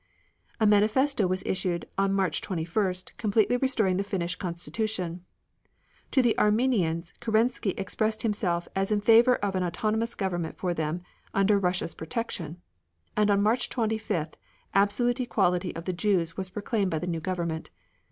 A manifesto was issued on March 21st, completely restoring the Finnish constitution. To the Armenians Kerensky expressed himself as in favor of an autonomous government for them, under Russia's protection, and on March 25th, absolute equality of the Jews was proclaimed by the new government.